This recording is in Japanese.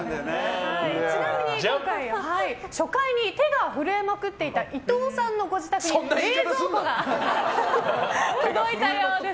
ちなみに今回は初回に手が震えまくっていた伊藤さんのご自宅に冷蔵庫が届いたようです。